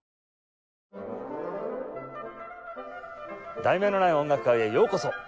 『題名のない音楽会』へようこそ。